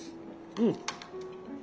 うん。